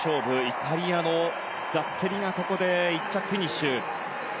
イタリアのザッツェリがここで１着フィニッシュ。